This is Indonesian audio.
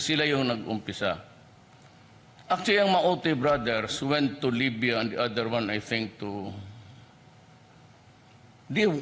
sebenarnya para perempuan mauti pergi ke libya dan yang lainnya pergi ke